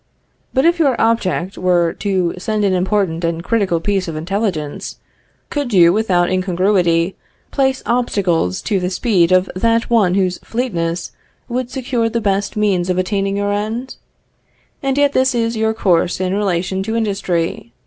But if your object were to send an important and critical piece of intelligence, could you without incongruity place obstacles to the speed of that one whose fleetness would secure the best means of attaining your end? And yet this is your course in relation to industry.